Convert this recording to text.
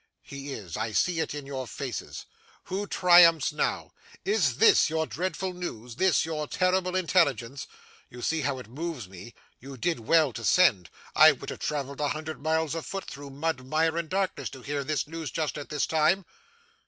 He is! I see it in your faces. Who triumphs now? Is this your dreadful news; this your terrible intelligence? You see how it moves me. You did well to send. I would have travelled a hundred miles afoot, through mud, mire, and darkness, to hear this news just at this time.